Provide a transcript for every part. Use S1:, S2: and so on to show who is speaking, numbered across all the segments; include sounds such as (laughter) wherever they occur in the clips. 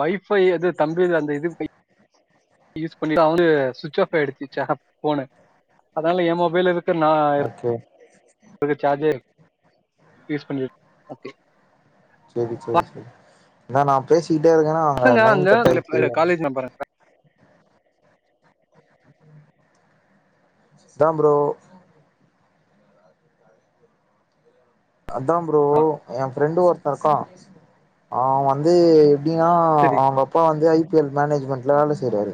S1: Y by எது தம்பிது அந்த இது போயி யூஸ் பண்ணிட்டு அவனு சுவிட்ச ஆஃப் ஆயிடுச் போனு அதனால என் மொபைல் இருக்கு நான்
S2: ஓகே
S1: அது சார்ஜர் யூஸ் பண்ணி ஓகே
S2: சேரி சேரி சேரி அதான் நான் பேசிக்கிட்டே இருக்கனு அவுங்க
S1: பசங்க
S2: லைன் கட் ஆயிட்டு
S1: அங்க காலேஜ் நம்பர்
S2: தான் ப்ரோ அதாங ப்ரோ
S1: ஆ
S2: என் ஃப்ரெண்டு ஒருத்தன் இருக்கான் அவ வந்து கியாம்
S1: சரி
S2: அவுங்க அப்பா வந்து ஐ பி எல் மேனேஜ்மெண்ட்ல வேல செய்றாரு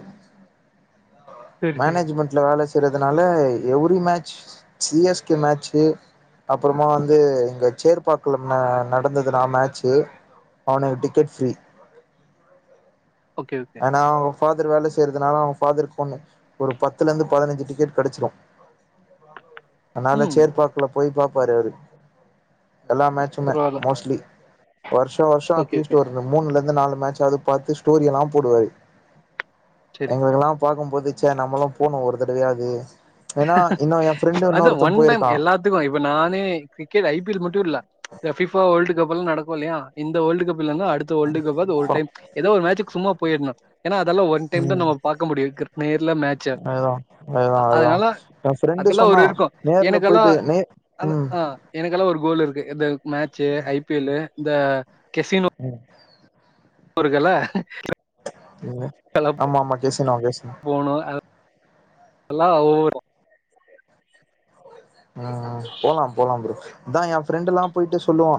S1: சரி சரி
S2: மேனேஜ்மெண்ட்ல வேல செய்றதுனால every match C S K match அப்பறமா வந்து இங்க சேர்பாக்கல நடந்ததுனா மேட்சு அவனுக்கு டிக்கெட் ஃப்ரீ
S1: ஓகே ஓகே
S2: நா அவுங்க ஃபாதர் வேல செய்றதுனால அவுங்க ஃபாதர்க்கு ஃபோண்ணு ஒரு பத்துல இருந்து பதினஞ்சி டிக்கெட் கெடச்சிறோம் அதனால
S1: ம்
S2: சேர்பாக் க்குல போய் பாப்பாரு அவரு எல்லா மேட்ச் ம்யே
S1: பரவாயில்ல
S2: மோஸ்ட்லி வருஷோம் வருஷோம்
S1: ஓகே ஓகே
S2: அட்லீஸ்ட் ஒரு மூணுல இருந்து நாலு மேட்சாவது பாத்து ஸ்டோரி எல்லாம் போடுவாரு
S1: சரி
S2: எங்களுக்கெல்லாம் பாக்கும்போது ச்ச நம்மளோ போனோ ஒரு தடவயாது ஏன்னா இன்னோ என் ஃப்ரெண்டு இன்னொருத்தன் போயிருக்கான்
S1: இப்ப நானே கிரிக்கட் ஐ பி எல் மட்டோ இல்ல யப்ஃபிபா வேர்ல்டு கப் எல்லாம் நடக்கோம் இல்லையா இந்த வேர்ல்ட் கப்புல்லனா அடுத்து வோல்டு கப்பாது ஒரு
S2: சோ
S1: டைம் ஏதாவ் ஒரு மேட்சிக்கு சும்மா போயிருனோ ஏன்னா அதெல்லா ஒன் டைம் தான் நம்மங பாக்க முடியோம் நேர்ல மேட்ச
S2: அதுதான் அதுதான்
S1: அதனால அதெல்லாம் ஒரு இருக்கோம்
S2: நேர்ல
S1: எனக்கெல்லாம்
S2: போயிட்டு நே
S1: அத
S2: ம்
S1: ஆ எனக்கெல்லாம் ஒரு கோல் இருக்கு இந்த மேட்சு ஐ பி எல்லு இந்த கசினோ
S2: ம்
S1: ஒருக்கல்ல
S2: ஆமா ஆமா டீஷன் ஆகேஸ்
S1: போணோ அ அல்லா ஒவ்வொரு
S2: ஆ ஆ போலா போலா ப்ரோ அதா எ ஃப்ரெண்ட் எல்லா போயிட்டு சொல்லுவா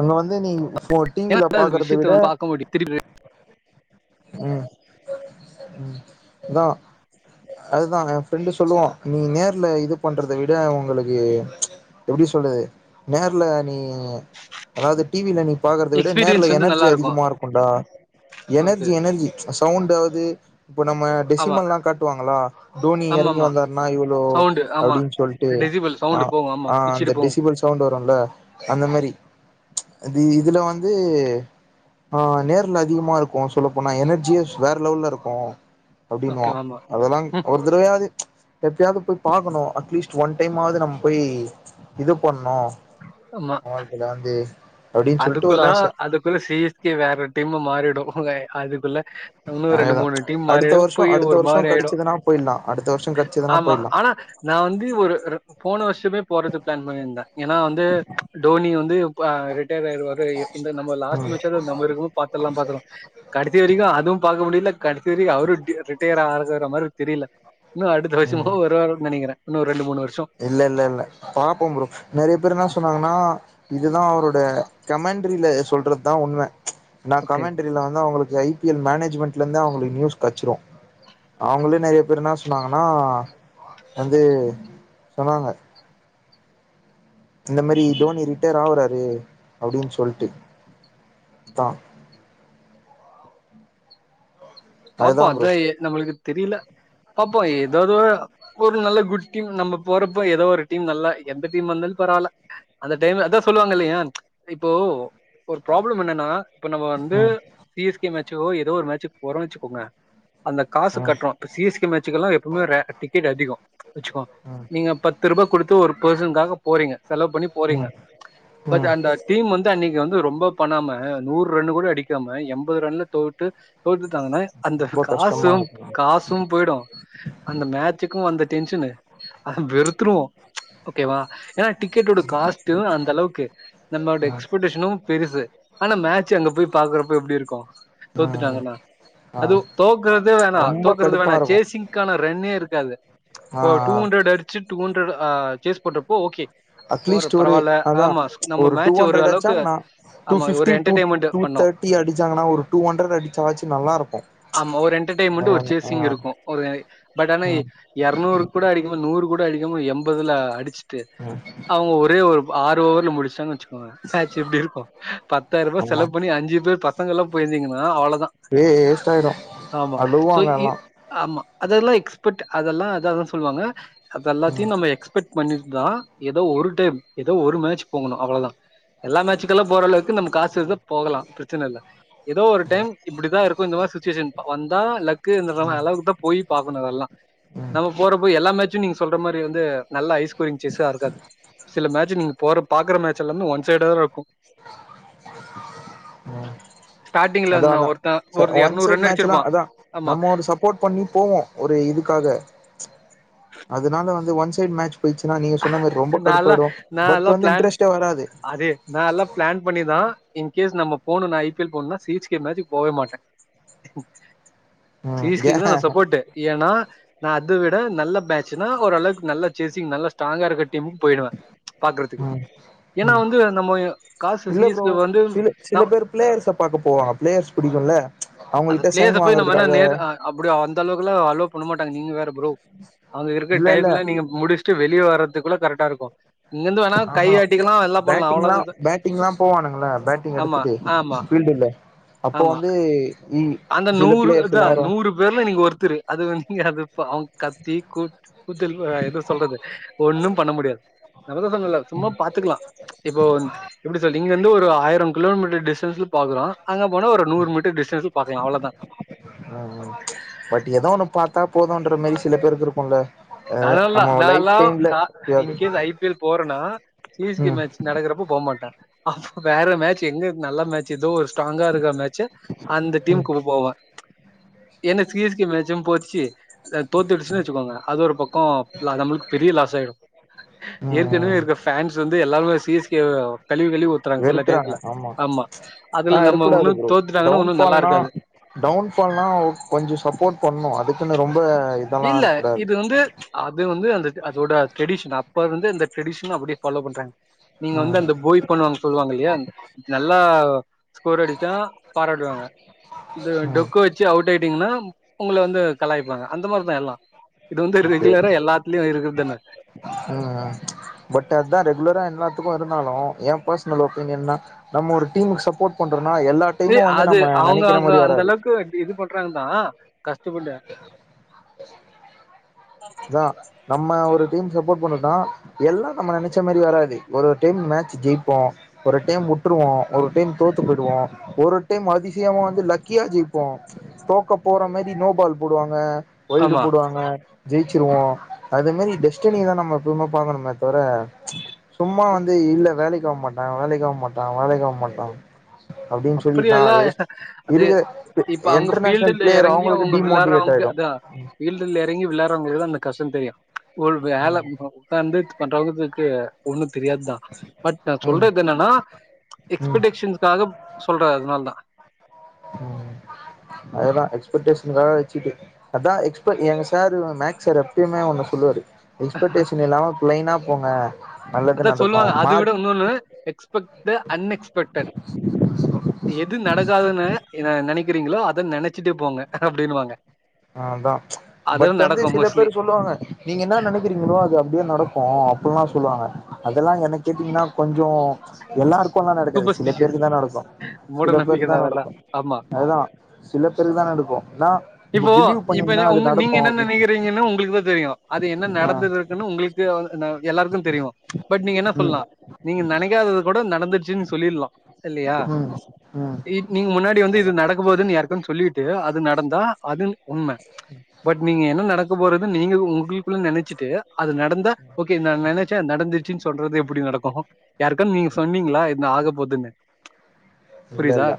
S2: இங்க வந்து நீ இப்போ டிவில பாக்கறத விட
S1: ஓடி திருபிரு
S2: ம் அதா அதுதா எ ஃப்ரெண்டு சொல்லுவா நீ நேர்ல இது பன்றத விட உங்களுக்கு எப்டி சொல்றது நேர்ல நீ அதாவது டிவில நீ பாக்கறத விட நேர்ல
S1: எக்ஸ்பீரியன்ஸ் வந்து
S2: எனர்ஜி
S1: நல்லா இருக்கு
S2: அதிகமா இருக்கோன்டா எனர்
S1: ஓகே
S2: ஜி எனர்ஜி சவுண்டாவுது இப்ப நம்ம
S1: ஆமா
S2: டெசிமல்லா காட்டுவாங்களா டோனி
S1: ஆமா
S2: எறங்கி
S1: ஆமா
S2: வந்தா னா இவளோ
S1: சவுண்டு ஆமா
S2: அப்டின் சொல்ட்டு
S1: டெசிபிள்
S2: அ
S1: சவுண்டு போகு ஆமா
S2: அந்த
S1: பிச்சுட்டு போகு
S2: டெசிமல்ஸ் சவுண்ட் வருல்ல அந்த மாரி இதுல வந்து ஆ நேர்ல அதிகமா இருக்கோ சொல்ல போனா எனர்ஜியு வேற லெவல்ல இருக்கோ அப்டின்னுவா
S1: ஓகே ஆமா
S2: அதெல்லா
S1: ம்
S2: ஒர் தரவயாது எப்பயாவ்து போய் பாக்கணோ அட்லீஸ்ட் ஒன் டைமாவுது நம்ம போய் இது பண்ணோ
S1: அம்மா
S2: எல்லாந்தே
S1: அதுக்குள்ள அதுக்குள்ள சிஎஸ்கே வேற டீம் மாறிடோ ங்க அதுக்குள்ள இன்னோ ரெண்டு
S2: அதேதா
S1: மூணு டீம்
S2: அடுத்த
S1: மாறிடோ
S2: வருஷோ
S1: போயி
S2: அடுத்த
S1: ஒரு
S2: வருஷோ
S1: மாரி ஆயிடோ
S2: கெடச்சதுன்னா போயிட்லா அடுத்த வருஷோ கெடச்சதுன்னா
S1: ஆமா
S2: போயிட்லா
S1: ஆனா நா வந்து ஒரு போன வருஷமே போறது பிளான் பண்ணியிருந்தே ஏனா வந்து டோனி வந்து உப்பாரு ரிட்டர் ஆய்டுவாரு இந்த நம்ம லாஸ்ட்
S2: ம்
S1: மேட்சாவுது நம்ம இருக்கோ பாத்துலா பாத்துலா கடைசி வரைக்கோ அதுவு பாக்க முடியில கடைசி வரைக்கோ அவரோ ரிட்டையர் ஆகறத மாரி தெரியல இன்னு அடுத்த வருஷமோ
S2: ம்
S1: வருவாரு நெனைக்கிறே இன்னு ரெண்டு மூணு வருஷோ
S2: இல்ல இல்ல இல்ல பாப்போ ப்ரோ நெறைய பேர் என்ன சொன்னாங்கன்னா இதுதா அவரோட கமெண்ட்ரியில சொல்றது தா உண்ம நா
S1: ஓகே
S2: கமெண்டு பிஎல்ல வந்து அவ்ங்களுக்கு ஹை பி எல் மேனேஜ்மெண்ட்ல இருந்து அவ்ங்களுக்கு நியூஸ் கெச்சுரூ அவ்ங்களே நிறைய பேர் என்ன சொன்னாங்கன்னா வந்து சொன்னாங்க இந்த மாரி டோனி ரிட்டேயர் ஆகுறாரு அப்டின் சொல்ட்டு தா
S1: பாப்போ
S2: அதுதா ப்ரோ
S1: அதா எ நமளுக்கு தெரியில பாப்போ ஏதோது ஒரு நல்ல குட் டீம் நம்ம போறப்போ ஏதோ ஒரு டீம் நல்லா எந்த டீம் வந்தாலு பரவாயில்ல அந்த டைம்ல அதா சொல்லுவாங்க இல்லயா இப்போ ஒரு ப்ராப்ளம் என்னன்னா இப்ப நம்ம வந்து
S2: ம்
S1: சி எஸ் கே மேச்சோ ஏதோ ஒரு மேச்சு போறோ வச்சுக்கோங்க அந்த காசு
S2: ம்
S1: கட்றோ இப்ப சி எஸ் கே மேச்சுக்கு எல்லா எப்பவுமே ரே டிக்கெட் அதிகோ வச்சுக்கோங்
S2: ம்
S1: நீங்க பத்து ரூபா கொடுத்து ஒரு பெர்சனுக்காக போறீங்க செலவு பண்ணி போறீங்க
S2: ம்
S1: பட்
S2: ம்
S1: அந்த டீம் வந்து அன்னைக்கி வந்து ரொம்ப பண்ணாம நூறு ரன்னு கூட அடிக்காம எம்பது ரன்ல தோத்து தோத்துட்டாங்கன்னா அந்த
S2: ரொம்ப
S1: காசு
S2: கஷ்டமா இருக்கு
S1: காசு போயிடு அந்த மேச்சுக்கு அந்த டென்ஷனு அ வெறுத்துருவோ ஓகேவா ஏன்னா டிக்கெட்டோட காஸ்ட்டு அந்த அளவுக்கு நம்மோட
S2: ம்
S1: எக்ஸ்பெக்டேஷனு பெருசு ஆனா மேச் அங்க போய் பாக்குறப்ப எப்டி இருக்கு
S2: ம்
S1: தோத்துட்டாங்கன்னா
S2: ஆ
S1: அது தோக்குறதே வேணா
S2: ரொம்ப
S1: தோக்குறது
S2: கடுப்பா
S1: வேணா
S2: இருக்கு
S1: சேசிங்க்கான ரன்னே இருக்காது
S2: ஆ
S1: டூ
S2: ஆ
S1: ஹ்ன்ரட் அடிச்சு டூ ஹன்ரட் அ கேஸ் போட்றப்போ ஓகே போற
S2: அட்லீஸ்ட் ஒரு
S1: பரவால்ல.
S2: அதா
S1: ஆமா ஸ்-
S2: ச்
S1: நம்ம
S2: ஒரு டூ
S1: மேட்ச்
S2: ஹண்ட்ரட் ஆடிச்சா
S1: அளவுக்கு
S2: னா டூ
S1: ஆமா ஒரு
S2: ஃபிஃபிடி டூ
S1: என்டர்டெயின்மெண்ட்
S2: டூ
S1: பண்ணோம்.
S2: தேர்ட் அடிச்சாங்கனா ஒரு டூ ஹண்ட்ரட் அடிச்சாச்சு நல்லா இருக்கு
S1: ஆமா ஒரு எண்டர்டெயன்மெண்ட் ஒரு
S2: அதான
S1: சேர்சிங்
S2: ஆ
S1: இருக்கு ஒரு பட் ஆனா
S2: ம்
S1: இரநூறு கூட அடிக்குமா நூறு கூட அடிக்காம எண்பதுல அடிச்சுட்டு
S2: (inaudible)
S1: அவங்க ஒரே ஒரு ஆறு ஓவவர்ல முடிச்சாங்க வச் மேட்ச் எப்டி இருக்கு பத்தாயிர
S2: ஆமா
S1: செலக்ட் பண்ணி அஞ்சு பேர் பசங்க எல்லா போயிருந்தீங்கன்னா அவ்ளதா
S2: வே வேஸ்ட் ஆயிடு
S1: ஆமா சோ
S2: அழுவாங்க
S1: இ
S2: எல்லா
S1: ஆமா அதெல்லா எக்ஸ்பர்ட் அதெல்லா அதா சொல்லுவாங்க அத
S2: ம்
S1: எல்லாத்தையு நம்ம எக் எக்பெக்ட் பண்ணிட்டு தா ஏதோ ஒரு டைம் ஏதோ ஒரு மேட்ச் போகணு அவ்ளோதா எல்லா மேட்சுக்கு எல்லா போற அளவுக்கு நம்ம காசு இருந்தா போகலா பிரச்சன இல்ல ஏதோ ஒரு டைம் இப்டிதா இருக் இந்த மாரி சுச்சுவேஷன் வந்தா லக்கு இந்திர
S2: ம்
S1: அளவுக்கு தா போய் பார்கணு அதெல்லா
S2: ம்
S1: நம்ம போற போய் எல்லா மேட்சு நீங்க சொல்ற மாரி வந்து நல்ல ஐ ஸ்கோரிங் சஸா இருக்காது சில மேட்சு நீங்க போற பாக்குற மேட்சல இருந்து ஒன் சைடா தா இருக்கு
S2: ம்
S1: ஸ்டார்டிங்ல
S2: அதா
S1: என்ன
S2: அதா
S1: ஒருத்த
S2: ச
S1: ஒரு
S2: ஒன்
S1: எரநூறு
S2: சைட்
S1: ரன்
S2: மேட்ச லா
S1: அடிச்சிருப்பா
S2: அதா
S1: ஆமா
S2: நம்ம சப்போர்ட் பண்ணி போவோ ஒரு இதுக்காக ச் அதனால வந்து ஒன் சைடு மேட்சு போய்ச்சுன்னா நீங்க சொன்ன மாரி ரொம்ப
S1: நால்லா
S2: கடுப்பாயிடு பட்
S1: நால்லா
S2: வந்து
S1: பிளான்
S2: இன்டரஸ்ட்டே வராது
S1: அதே நா எல்லா பிளான் பண்ணிதா இன் கேஸ் நம்ம போணு நா ஐ பி எல் போணுனா சீ எஸ் கே மேட்ச் போவே மாட்டே சீ
S2: ம்
S1: எஸ் கே
S2: ஏ
S1: கு தா நா சப்போர்ட்டு ஏன்னா நா அது விட நல்ல பேட்சுனா ஓரளவுக்கு நல்ல சேசிங் நல்லா ஸ்ட்ராங்கா இருக்க டிம் போயிடுவே பார்க்குறதுக்கு
S2: ம்
S1: ஏன்னா
S2: ம்
S1: வந்து நம்ம காசு சீ
S2: இல்ல
S1: எஸ்
S2: ப்ரோ
S1: கே வந்து
S2: சில
S1: ந
S2: சில பேர் பிளேயர்ஸ பாக்க போவாங்க பிளேயர்ஸ் பிடிக்குல ச் அவங்ககிட்ட சைன் வாங்குறதுக்காக
S1: அப்படிய அந்த அளவுக்குலா அலவ் பண்ண மாட்டாங்க நீங்க வேற ப்ரோ அங்க இருக்கிற
S2: இல்ல இல்ல
S1: டைக்குல நீங்க முடிச்சுட்டு வெ வெளிய வரதுக்குள்ள கரெக்டா இருக்கு இங்கருந்து வேணா கையாட்டிக்கலா
S2: பேட்டிங்ல்லா பேட்டிங்லா போவானுங்கள பேட்டிங்
S1: ஆமா,
S2: எடுத்துட்டு
S1: ஆமா,
S2: ஃபீல்டுல அப்போ வந்து இ சில
S1: நூறுா
S2: பிளேயர்ஸ்
S1: இதா நூறு
S2: எல்லாரு
S1: நூறு பேர்ல நீங்க ஒருத்தரு அது நீங்க அ அவங்க கத்தி கூ கூதல் எத சொல்றது ஒண்ணு பண்ண முடியாது நபதசங்கல்ல சும்மா பாத்துக்கலா இப்போ எப்டி சொல்ல நீங்க வந்து ஒரு ஆயிரம் கிலோமீட்டர் டிஸ்டன்ஸ்ல பாக்குறோ அங்க போனா ஒரு மீட்டர் டிஸ்டன்ஸ் ல பாக்கலா அவ்ளோதா
S2: ம் ச் பட் ஏதோ ஒண்ணு பாத்தா போதுன்ற மாரி சில பேருக்கு இருக்குல
S1: அதல்லா நால்லா கா
S2: எப்பயாது
S1: இன்கேஸ் ஐ பி எல் போறேனா சி எஸ் கே
S2: ம்
S1: மேட்ச் நடக்கிறப்போ போ மாட்டாங்க அப்போ வேற மேட்ச் எங்க நல்ல மேட்ச் ஏதோ ஒரு ஸ்ட்ராங்கா இருக்க மேட்ச்ச அந்த
S2: ம்
S1: டீம்க்கு கொண்டு போவாங்க என்ன சி எஸ் கே மேச்சு போச்சு தோத்துடிச்சுன்னு வச்சுக்கோங்க அது ஒரு பக் நம்மளுக்கு பெரிய லாஸ் ஆயிடும் ஏற்கனவே
S2: ம்
S1: இருக்க ஃபேன்ஸ் வந்து எல்லாருமே சி எஸ் கே வ கழிவி கழுவி ஊத் சில டயதில ஆமா
S2: ஆ
S1: அதுல நம்ம
S2: இருக்கக்கூடாது
S1: ஒன்னு
S2: ப்ரோ
S1: தோத்துட்டாங்கன்னா ஒன்னு நல்லா
S2: டவுன்ஃபால்னா
S1: இருக்காது
S2: டவுன்ஃபால்னா கொஞ்சோ சப்போட் பண்ணு அதுக்குன்னு ரொம்ப இதெல்லா
S1: இல்ல
S2: இருக்கக்கூடாது
S1: இது வந்து அது வந்து அந்த அதோட ட்ரெடிஷன் அப்ப இருந்து இந்த ட்ரெடிஷன அப்டியே ஃபாலோ பண்றாங்க நீங்க வந்து
S2: ம்
S1: அந்த போ (unintelligible) பண்ணுவாங்க சொல்லுவாங்க இல்லையா நல்லா ஸ்கோர் அடிச்சா பாராட்டுவாங்க இந்த
S2: ம்
S1: டொக்கு வச்சு அவுட் ஆ டிங்னா உங்கள வந்து கலாய்ப்பாங்க அந்த மாரிதா எல்லா இது வந்து
S2: ஓகே
S1: ரெகுலரா எல்லாத்துலயு இருக்குறதான
S2: ம் பட் அதா ரெகுலரா எல்லாத்துக்கு இருந்தாலு எ பர்சனல் ஒப்பீனியன்தா நம்ம ஒரு டீமுக்கு சப்போட் பண்றனா எல்லா
S1: ஏ
S2: டைமு வந்து
S1: அது
S2: நம்ம
S1: அவுங்க
S2: நெனைக்கிற
S1: அவுங்க
S2: மாரி வராது
S1: அந்தளக்கு இது பண் றாங் தா கஷ்டப்பட்டு
S2: தா நம்ம ஒரு டீம் சப்போட் பண்ணுனா எல்லா நம்ம நெனைச்ச மாரி வராது ஒரு டைம் மேட்ச்சு ஜெயிப்போ ஒரு டைம் வுட்ருவோ ஒரு டைம் தோத்து போயிடுவோ ஒரு டைம் அதிசயமா வந்து லக்கியா ஜெயிப்போ தோக்க போற மாரி நோபால் போடுவாங்க ஒயடு
S1: ஆமா
S2: போடுவாங்க ஜெயிச்சிருவோ அது மாரி டெஸ்டனிதா நம்ம எப்பயவுமே பாக்கணும்மே தவிர சும்மா வந்து இல்ல வேலைக் ஆக மாட்ட வேலைக் ஆக மாட்ட வேலைக் ஆ மாட்டா அப்டின் சொல்லிட்ந்தா
S1: அப்படியெல்லா
S2: வேஸ்ட்
S1: அது
S2: இருக்ற
S1: இப்ப அவங்க
S2: இன்டர்நேஷனல் பிளேயர் அவுங்களுக்கு டிமோட்டிவேட் ஆயிரு
S1: தா ஃபீல்ட்ல எறங்கி விளையாறவங்களுக்குதா அந்த கஷ்ட்டோ தெரியு ஒரு வேல
S2: ம்
S1: உ வந்து பண்றகுதுக்கு ஒண்ணு தெரியாதா பட் நா சொல்றது என்னன்னா
S2: ம் ம்
S1: எக்ஸ்பெட் டேஷன்ஸ்க்காக சொல்றே அதனால் தா
S2: ம் அதெல்லா எக்ஸ்பெக்டேஷனுக்காக வச்சுட்டு அதா எக்ஸ்ப எங்க சார் மேக்ஸ் சார் எப்பயுமே ஒண்ணு சொல்லுவாரு எக்ஸ்பெட்டேஷன் இல்லாம பிளைனா போங்க நல்லது
S1: அதா சொல்லுவாங்க
S2: நடக்கு
S1: அது விட
S2: மார்க்
S1: வுன்னொன்னு எக்ஸ்பெக்ட்டு அன் எக்ஸ்பெக்ட்டர் எது நடக்காதுனு அ நெனைக்கிறீங்ளோ அத நினைச்சுட்டே போங்க அப்டினுவாங்க
S2: அதா பட் வந்து சில
S1: மோஸ்ட்லி
S2: பேர் சொல்லுவாங்க நீங்க என்ன நினைக்கிறீங்ளோ அது அப்டியே நடக்கு அப்ல்லா சொல்லுவாங்க அதெல்லா என்னக் கேட்டீங்னா கொஞ்சோ எல்லார்க்குலா நடக்காது சில
S1: சூப்பர்ஸ்டிஷியஸ்
S2: பேருக்கு தா நடக்கு
S1: மூட
S2: சில
S1: நம்பிக்கை
S2: பேருக்கு தா
S1: தான் அதெல்லாம்
S2: நடக்கு
S1: ஆமா
S2: அதுதா சில பேருக்கு தா நடக்கு நா
S1: இப்போ இப்ப உங்க நீங்க என்ன நெனைக்கறீங்கன் உங்களுக்குதா தெரியு அது என்ன
S2: ஆ
S1: நடந்துட்டு இருக்குனு உங்களுக்கு தா நா எல்லாருக்கு தெரியு பட் நீங்க என்ன
S2: ம்
S1: சொல்லா நீங்க நெனைக்காதது கூட நடந்து ச்சுன் சொல்லிர்லா இல்லையா
S2: ம் ம்
S1: இக் நீங்க முன்னாடி வந்து இது
S2: அதா
S1: நட க்க போதுன் யாருக்கு சொல்லிட்டு அது நடந்தா அது உண்ம
S2: ம்
S1: பட் நீங்க என்ன நடக்க போறது நீங்க உங்களுக்குள்ள நெனைச்சிட்டு அது நடந்தா ஓக்கே நா நெனைச்சே நடந்துருச்சு சொல்றது எப்படி நடக்கு யாருக்கான் நீங்க சொன்னீங்ளா ன்ன ஆக போதுன்னு
S2: இல்ல
S1: புரியுதா
S2: இல்ல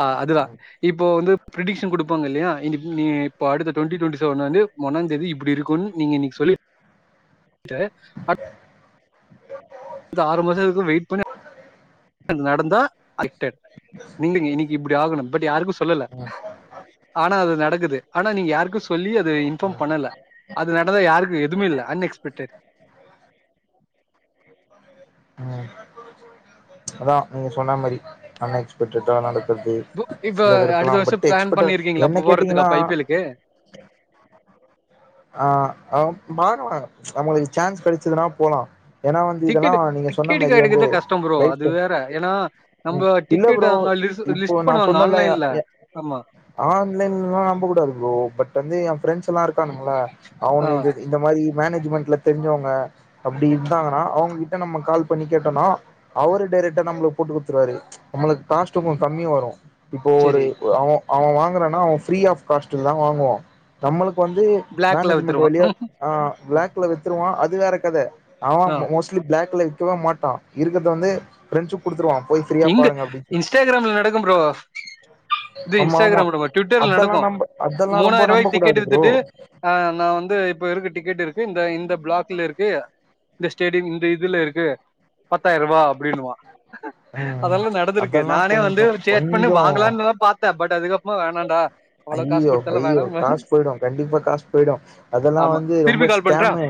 S1: ஆ அதுதா இப்போ வந்து ப்ரடிக்ஷன் குடுப்பாங்க இல்லையா இனிப் நீ இப்ப அடுத்த டொண்டி டொண்டி செவன் வந்து ஒன்னாந்தேதி இப்புடி இருக்குன் நீங்க இன்னைக்கு சொல்லி ட்டு அ இந்த ஆறு மாசோ எதுக்கு வெயிட் பண்ணி (inaudible) நடந்தா (inaudible) நில்லுங்க இன்னைக்கு இப்டி ஆகணு பட் யாருக்கு சொல்லல ஆனா அது நடக்குது ஆனா நீங்க யாருக்கு சொல்லி அது இன்ஃபாம் பண்ணல அது நடந்தா யாருக்கு எதுமே இல்ல அன் எக்ஸ்பெக்டட்
S2: ம் அதா நீங்க சொன்னா மாரி அன் எக்ஸ்பெக்டட்தா நட டுக்கு
S1: பு
S2: இது
S1: இப்ப
S2: சில பேருக்கலா
S1: அடுத்த வருஷம்
S2: பட்
S1: பிளான்
S2: எக்ஸ்பெட்டட்
S1: பண்ணிருக்கீங்களா
S2: என்ன
S1: அப்ப போறதுக்கு
S2: கேட்டீங்கன்னா
S1: அப்ப ஐ பி எல்லுக்கு?
S2: ஆ மாறுவாங்க நம்மளுக்கு சான்ஸ் கடச்சதுன்னா போலா ஏன்னா வந்து இதெல்லா
S1: டிக்கெட்
S2: நீங்க சொன்ன
S1: டிக்கெட்
S2: மாரி வந்து
S1: கெடைக்கறதே கஷ்டம் ப்ரோ.
S2: லைஃப்
S1: அது
S2: ஸ்டைல்
S1: வேற. ஏன்னா, நம்ப
S2: இல்ல
S1: டிக்கெட்
S2: ப்ரோ
S1: அவங்க லிஸ்
S2: இப்போ
S1: லிஸ்ட்
S2: நா
S1: பண்ணுவாங்க
S2: சொன்னல
S1: ஆன்லைன்ல. ஆமா.
S2: ஆன்லைன்ல்லாம் நம்பக்கூடாது ப்ரோ பட் வந்து என் ஃரெண்ட்ஸ் எல்லா இருக்கானுங்கள
S1: ஆ
S2: அவனுங்க இது இந்த மாரி மேனேஜ்மெண்ட்ல தெரிச்சவங்க அப்டி இருந்தாங்கன்னா அவங்க கிட்ட கால் பண்ணி கேட்டோனா அவரு டைரெக்டா நம்மளுக்கு போட்டு கொடுத்துருவாரு நம்மளுக்கு காஸ்ட் கொஞ் கம்மிவரு இப்போ ஒரு
S1: சரி.
S2: அவ அவ வாங்கறானா அவ ஃப்ரீ ஆப் காஸ்ட்ல தா வாங்குவோ நம்மளுக்கு வந்து
S1: பிளாக்ல
S2: மேனேஜ்மெண்ட்
S1: வித்துருவான்.
S2: வழியா ஆ
S1: ம்.
S2: பிளாக்ல வித்துருவா அது வேற கத அவ
S1: ஆ
S2: மோஸ் பிளாக்ல விக்கவே மாட்டா இருக்கறத வந்து பிரண்ஷிப் குடுத்துருவா போய் ஃப்ரீயா
S1: எங்க
S2: பாருங்க அப்டின்னு சொல்லி
S1: இன்ஸ்டாகிராம்ல நடக்கும் ப்ரோ இது
S2: ஆமா ஆமா
S1: இன்ஸ்டாகிராம்ன்றபார் ட்விட்டர்ல
S2: அதெல்லா
S1: நடக்கு
S2: நம்ப அதெல்லா ரொம்ப
S1: மூணாயிர
S2: நம்ப
S1: ருவாய்க்கு டிக்கெட்
S2: கூடாது ப்ரோ
S1: வித்துட்டு ஆ நா வந்து இப்ப இருக்கு டிக்கெட் இருக்கு இந்த இந்த பிளாக்ல இருக்கு இந்த ஸ்டேடியம் இந்த இதுல இருக்கு பத்தாயிர ருபா அப்டின்னுவா
S2: ம்
S1: அதெல்லா நடந்திருக்கு
S2: அதெல்லா
S1: நானே வந்து
S2: கொஞ்சோ
S1: சேட் பண்ணி
S2: கொஞ்சோ
S1: வாங்கலான்னுதா பாத்த பட் அதுக்கப்புறமா வேணாடா
S2: ஐயோ ஐயோ காசு போய்டு கண்டிப்பா காசு போய்டு அதெல்லா வந்து ரொம்ப ஸ்கேமு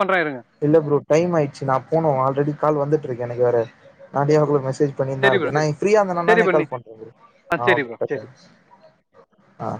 S1: பண்ற இருங்க
S2: இல்ல ப்ரோ டைம் ஆயிடுச்சு நா போனு ஆல்ரெடி கால் வந்துட்டு இருக்கு எனக்கு வேற நா (unintelligible) மெசேஜ் பண்ணின்தா
S1: சரி ப்ரோ
S2: இருக்க நா
S1: சரி
S2: ஃப்ரீயா இருந்தனா
S1: சரி
S2: நானே
S1: பண்ணி
S2: கால் பண்ற ப்ரோ ஆ ஓகே ப்ரோ அ